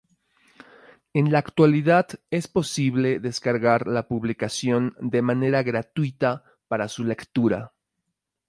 En la actualidad, es posible descargar la publicación de manera gratuita para su lectura.